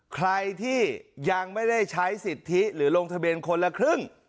ใครที่ยังไม่ได้ใช้สิทธิหรือลงทะเบียนคนละครึ่ง